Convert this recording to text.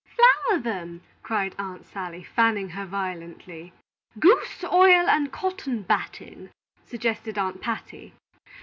"Flour them!" cried Aunt Sally, fanning her violently. "Goose oil and cotton batting," suggested Aunt Patty.